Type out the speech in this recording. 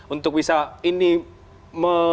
untuk bisa ini mempengaruhi